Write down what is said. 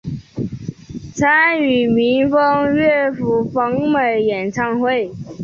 参与民风乐府访美演唱会。